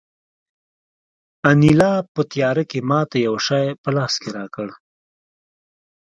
انیلا په تیاره کې ماته یو شی په لاس کې راکړ